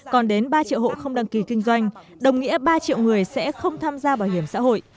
còn đến ba triệu hộ không đăng ký kinh doanh đồng nghĩa ba triệu người sẽ không tham gia bảo hiểm xã hội